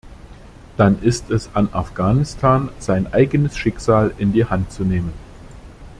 Dann ist es an Afghanistan, sein eigenes Schicksal in die Hand zu nehmen.